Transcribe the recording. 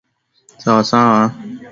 Sawa sawa.